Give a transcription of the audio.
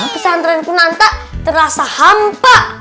pesantren kunanta terasa hampa